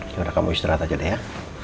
yaudah kamu istirahat aja deh ya